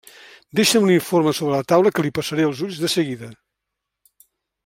Deixa'm l'informe sobre la taula que li passaré els ulls de seguida.